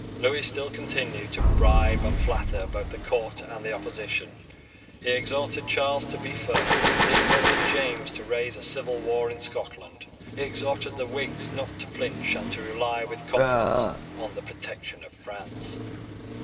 Lewis still continued to bribe and flatter both the court and the opposition. He exhorted Charles to be firm: he exhorted James to raise a civil war in Scotland: he exhorted the Whigs not to flinch, and to rely with confidence on the protection of France.